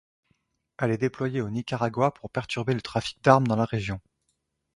Elle est déployée au Nicaragua pour perturber le trafic d’armes dans la région.